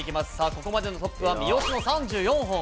ここまでのトップは、三好の３４本。